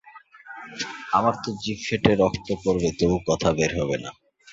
আমার তো জিব ফেটে গিয়ে রক্ত পড়বে তবু কথা বের হবে না।